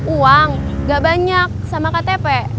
uang gak banyak sama ktp